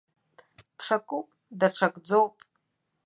Ҽакуп, даҽакӡоуп.